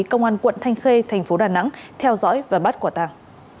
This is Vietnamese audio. công an quận thanh khê thành phố đà nẵng theo dõi và bắt quả tàng